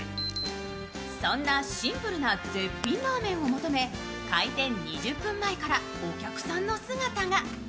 そんなシンプルな絶品ラーメンを求め開店２０分前からお客さんの姿が。